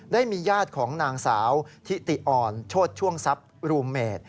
ได้มีญาติของนางสาวทิติอ่อนโชธช่วงทรัพย์รูเมด